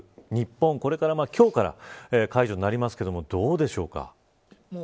日本、今日から解除になりますけれどもどうでしょうか。